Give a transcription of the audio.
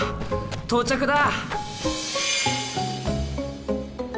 到着だ！